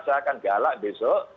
saya akan galak besok